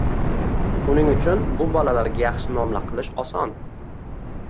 Uning uchun bu bolalarga yaxshi muomala qilish oson